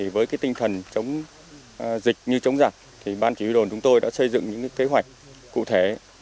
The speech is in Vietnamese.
với tinh thần chống dịch như chống giả ban chí huy đồn chúng tôi đã xây dựng những kế hoạch